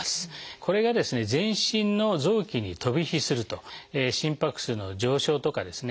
これが全身の臓器に飛び火すると心拍数の上昇とかですね